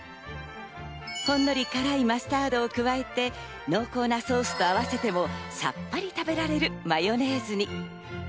ほんのり辛いマスタードを加えて、濃厚なソースと合わせても、さっぱり食べられるマヨネーズに。